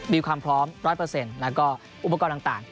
มีความพร้อม๑๐๐แล้วก็อุปกรณ์ต่าง